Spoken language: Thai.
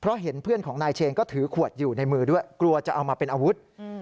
เพราะเห็นเพื่อนของนายเชนก็ถือขวดอยู่ในมือด้วยกลัวจะเอามาเป็นอาวุธ